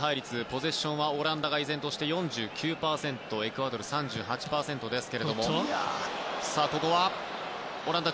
ポゼッションはオランダが依然として４９％エクアドル３８％です。